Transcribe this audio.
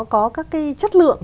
có các cái chất lượng